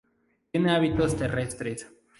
Tiene hábitos terrestres.